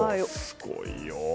すごいよ。